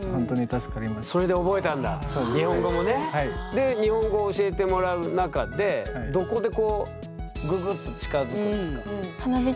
で日本語を教えてもらう中でどこでこうググッと近づくんですか？